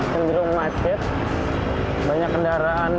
sendirian masjid banyak kendaraan